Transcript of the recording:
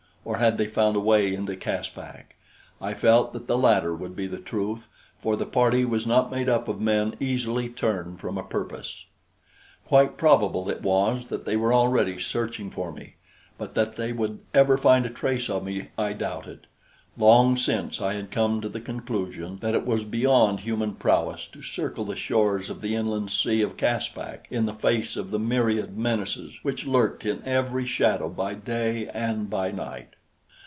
Or had they found a way into Caspak? I felt that the latter would be the truth, for the party was not made up of men easily turned from a purpose. Quite probable it was that they were already searching for me; but that they would ever find a trace of me I doubted. Long since, had I come to the conclusion that it was beyond human prowess to circle the shores of the inland sea of Caspak in the face of the myriad menaces which lurked in every shadow by day and by night.